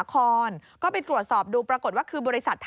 ก็พอมาออกมาพอหลุดกันออกมาแป๊บนึง